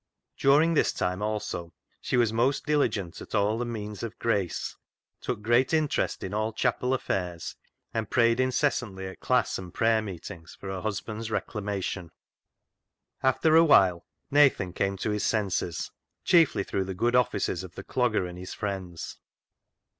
During this time, also, she was most diligent at all the means of grace, took great interest in all chapel affairs, and prayed incessantly at class and prayer meetings for her husband's reclamation. After a while, Nathan came to his senses, chiefly through the good offices of the Clogger and his friends.